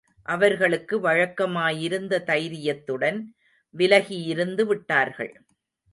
அவர்களுக்கு வழக்கமாயிருந்த தைரியத்துடன் விலகியிருந்து விட்டார்கள்.